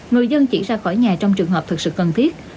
người dân chỉ ra khỏi nhà trong trường hợp thực sự cần thiết